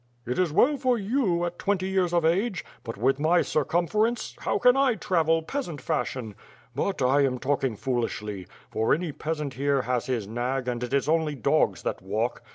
..." "It is well for you, at twenty years of ao;e; but with my cir cumference, how can I travel, peasant fashion? But I am talking foolishly; for any peasant here has his nag and it is only dogs that walk.